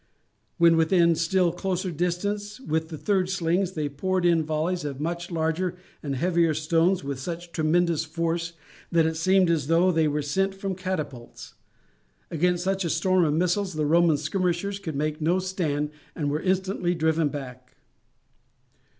When within still closer distance with the third slings they poured in volleys of much larger and heavier stones, with such tremendous force that it seemed as though they were sent from catapults. Against such a storm of missiles the Roman skirmishers could make no stand, and were instantly driven back.